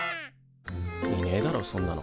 いねえだろそんなの。